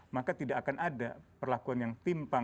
maka tidak akan ada perlakuan yang timpang